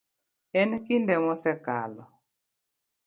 En kinde mosekalo.